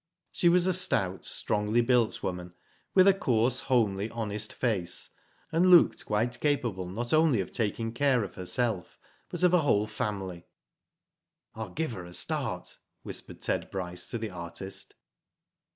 She was a stout, strongly built woman, with a coarse, homely, honest face, and looked quite capable not only of taking care of herself but of a whole family. " ril give her a start," whispered Ted Bryce to the artist.